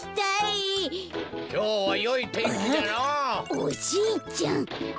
おじいちゃん。